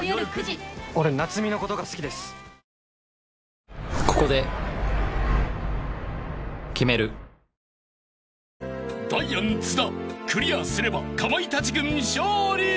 サントリー「金麦」［ダイアン津田クリアすればかまいたち軍勝利］